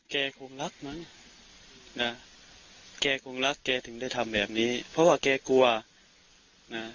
แกคงรักมั้งนะแกคงรักแกถึงได้ทำแบบนี้เพราะว่าแกกลัวนะ